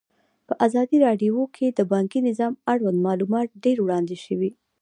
په ازادي راډیو کې د بانکي نظام اړوند معلومات ډېر وړاندې شوي.